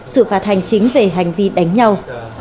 xử phạt hành chính về hành vi đánh nhau